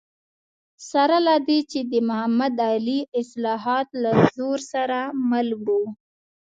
سره له دې چې د محمد علي اصلاحات له زور سره مل و.